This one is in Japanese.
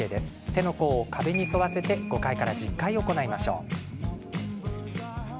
手の甲を壁に沿わせて５回から１０回、行いましょう。